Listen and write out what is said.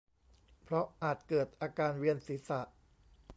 เพราะอาจเกิดอาการเวียนศีรษะ